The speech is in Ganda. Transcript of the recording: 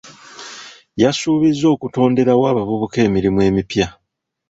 Yasuubiza okutonderawo abavubuka emirimu emipya.